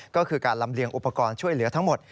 ก็คือการลำเลียงอุปกรณ์ช่วยเหลือทั้งหมด